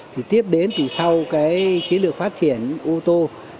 thì tiếp đến từ sau cái chế lược phát triển ô tô